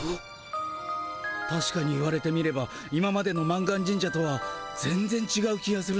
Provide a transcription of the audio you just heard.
たしかに言われてみれば今までの満願神社とは全ぜんちがう気がするな。